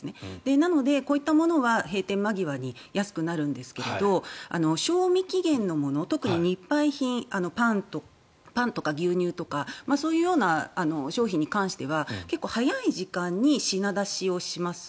なので、こういったものは閉店間際に安くなるんですが賞味期限のもの特に日配品パンとか牛乳とかそういうような商品に関しては結構早い時間に品出しをします。